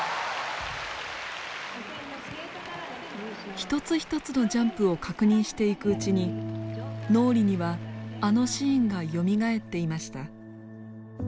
一つ一つのジャンプを確認していくうちに脳裏にはあのシーンがよみがえっていました。